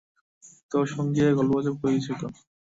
তোর সঙ্গে গল্পগুজব করি কিছুক্ষণ।